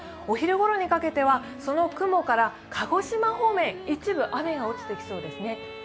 お昼ごろにかけては、その雲から鹿児島方面、一部雨が落ちてきそうですね。